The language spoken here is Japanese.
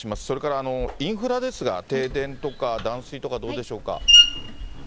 それからインフラですが、停電とか断水とか、どうでしょうか。